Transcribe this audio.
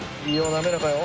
滑らかよ。